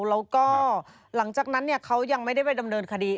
แล้วก็หลังจากนั้นเขายังไม่ได้ไปดำเนินคดี